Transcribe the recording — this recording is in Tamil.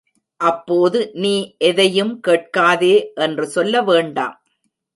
அப்போது, நீ எதையும் கேட்காதே என்று சொல்ல வேண்டாம்.